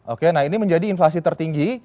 oke nah ini menjadi inflasi tertinggi